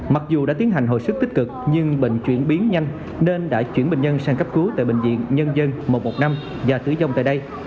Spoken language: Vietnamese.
mặc dù đã tiến hành hồi sức tích cực nhưng bệnh chuyển biến nhanh nên đã chuyển bệnh nhân sang cấp cứu tại bệnh viện nhân dân một trăm một mươi năm và tử vong tại đây